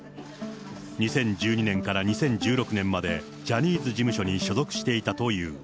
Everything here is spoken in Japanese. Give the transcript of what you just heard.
２０１２年から２０１６年までジャニーズ事務所に所属していたという。